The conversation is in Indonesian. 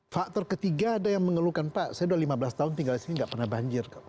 faktor ketiga ada yang mengeluhkan pak saya udah lima belas tahun tinggal disini gak pernah banjir